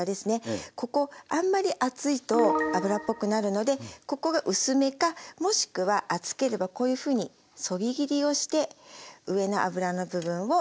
ここあんまり厚いと脂っぽくなるのでここが薄めかもしくは厚ければこういうふうにそぎ切りをして上の脂の部分を少し薄くしてあげると仕上がりがさっぱりしてきます。